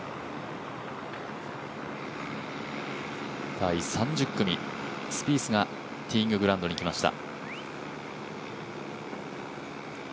第３０組、スピースがティーインググラウンドに来ました。